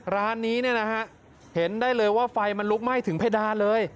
ร้านนี้เนี่ยนะฮะเห็นได้เลยว่าไฟมันลุกไหม้ถึงเพดานเลย